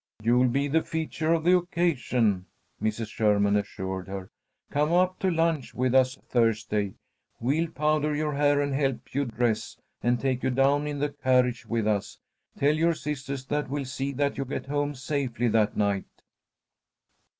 "You'll be the feature of the occasion," Mrs. Sherman assured her. "Come up to lunch with us Thursday. We'll powder your hair and help you dress, and take you down in the carriage with us. Tell your sisters that we'll see that you get home safely that night."